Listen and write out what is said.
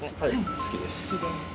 好きです。